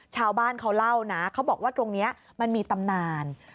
ชาวบ้านเขาเล่านะเขาบอกว่าตรงนี้มันมีตำนาน